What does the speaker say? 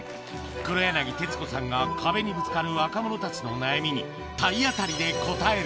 黒柳徹子さんが壁にぶつかる若者たちの悩みに体当たりで応える。